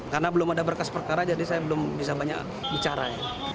karena belum ada berkas perkara jadi saya belum bisa banyak bicara